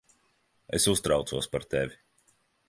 Es uztraucos par tevi.